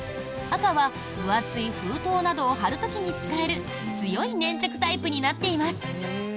赤は分厚い封筒などを貼る時に使える強い粘着タイプになっています。